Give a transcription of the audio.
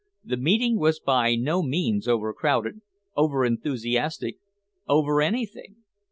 The meeting was by no means overcrowded, over enthusiastic, over anything.